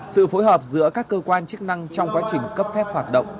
sự phối hợp giữa các cơ quan chức năng trong quá trình cấp phép hoạt động